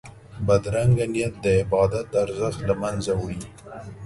بدرنګه نیت د عبادت ارزښت له منځه وړي